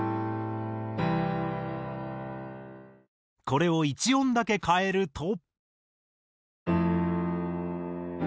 これを１音だけ変えると。